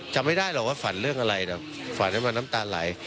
จำไม่ได้หรอกว่าฝันเรื่องอะไรแต่ฝันให้มันน้ำตาไหล